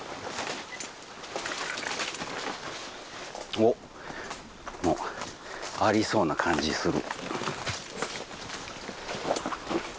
おっもうありそうな感じする。